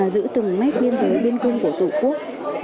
giữ từng mét biên giới biên cương của tổ quốc